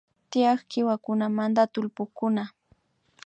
Tiyak kiwakunamanta tullpukunata